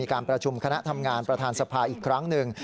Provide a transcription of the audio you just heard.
การประชุมคณะทำงานประธานสภาอีกครั้งหนึ่ง